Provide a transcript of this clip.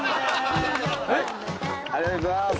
ありがとうございます。